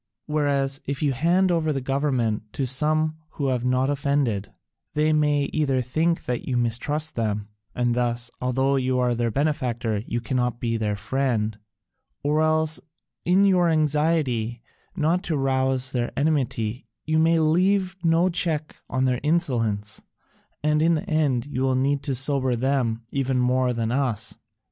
Whereas, if you hand over the government to some who have not offended, they may either think that you mistrust them, and thus, although you are their benefactor, you cannot be their friend, or else in your anxiety not to rouse their enmity you may leave no check on their insolence, and in the end you will need to sober them even more than us."